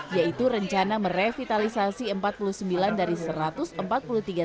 yaitu rencana merevitalisasi empat puluh sembilan dari satu ratus empat puluh tiga titik